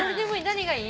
何がいい？